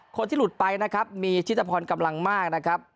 คนที่หลุดไปนะครับมีชิตพรกำลังมากนะครับ